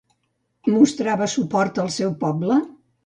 Mostrava suport al seu poble?